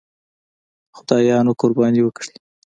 خدایانو قرباني وکړي.